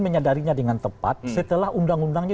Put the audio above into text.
menyadarinya dengan tepat setelah undang undangnya